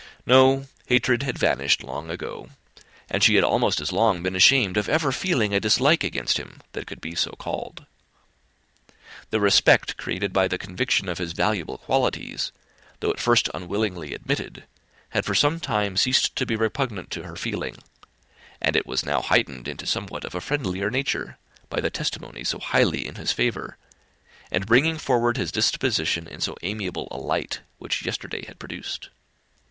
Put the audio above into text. No; hatred had vanished long ago, and she had almost as long been ashamed of ever feeling a dislike against him, that could be so called. The respect created by the conviction of his valuable qualities, though at first unwillingly admitted, had for some time ceased to be repugnant to her feelings; and it was now heightened into somewhat of a friendlier nature by the testimony so highly in his favour, and bringing forward his disposition in so amiable a light, which yesterday had produced.